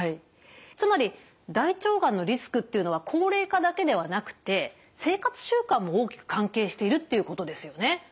つまり大腸がんのリスクというのは高齢化だけではなくて生活習慣も大きく関係しているということですよね？